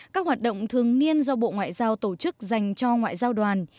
các hoạt động thường niên do bộ ngoại giao tổ chức dành cho ngoại giao đoàn